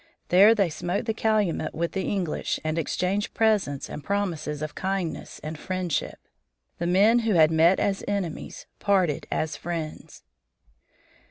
There they smoked the calumet with the English and exchanged presents and promises of kindness and friendship. The men who had met as enemies parted as friends.